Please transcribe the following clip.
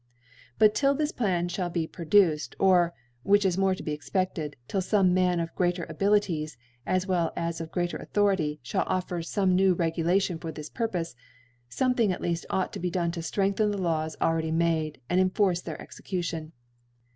But ^till this Plan fhall be produced ;' or (which is more to be expected) *rill fomc Man of greater Abilities, as wfell as of grea ter Authority, (hall offfer fomt neW Regula tion for this Purpofc; fomething, dt leaft, ought to be done to ftrehgthen the Laws already made, and to enforce their Execu tion.